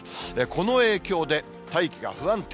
この影響で、大気が不安定。